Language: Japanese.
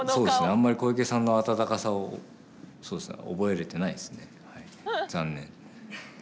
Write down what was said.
あんまり小池さんの温かさをそうですね覚えれてないですね。